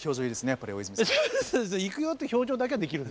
やっぱり大泉さん。